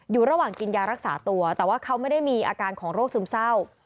อยู่ระหว่างกินยารักษาตัวแต่ว่าเขาไม่ได้มีอาการของโรคซึมเศร้า